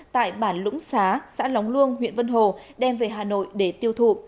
tại bản lũng xá xã lóng luông huyện vân hồ đem về hà nội để tiêu thụ